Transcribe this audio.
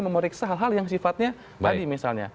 memeriksa hal hal yang sifatnya tadi misalnya